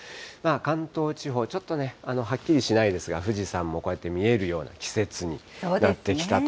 関東地方、ちょっとね、はっきりしないですが、富士山もこうやって見えるような季節になってきたと。